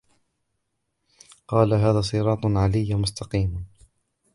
قَالَ هَذَا صِرَاطٌ عَلَيَّ مُسْتَقِيمٌ